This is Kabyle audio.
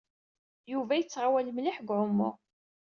Yuba yettɣawal mliḥ deg uɛumu.